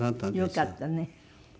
よかったね。